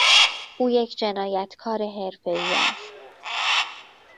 او یک جنایتکار حرفهای است.